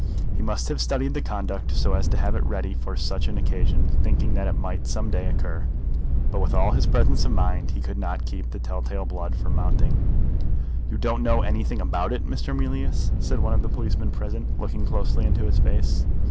He must have studied his conduct so as to have it ready for such an occasion, thinking that it might some day occur. But with all his presence of mind he could not keep the tell tale blood from mounting. "You don't know anything about it, Mr. Mealyus?" said one of the policemen present, looking closely into his face.